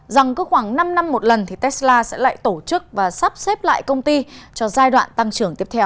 rằng cứ khoảng năm năm một lần thì tesla sẽ lại tổ chức và sắp xếp lại công ty cho giai đoạn tăng trưởng tiếp theo